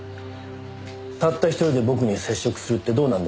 たった一人で僕に接触するってどうなんですか？